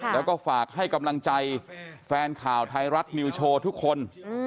แล้วก็ฝากให้กำลังใจแฟนข่าวไทยรัฐนิวโชว์ทุกคน